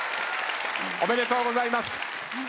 おめでとうございます。